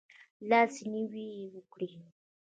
لاس نیوی وکړئ